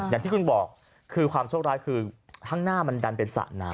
อย่างที่คุณบอกคือความโชคร้ายคือข้างหน้ามันดันเป็นสระน้ำ